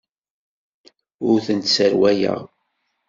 Ur tent-sserwaleɣ.